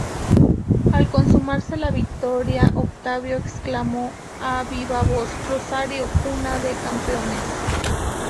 Al consumarse la victoria Octavio exclamó a viva voz: "¡¡¡Rosario, cuna de campeones!!!